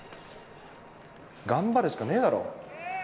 頑張るしかねえだろ。